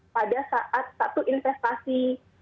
pada saat satu investasi